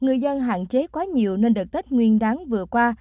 người dân hạn chế quá nhiều nên đợt tết nguyên đáng vừa qua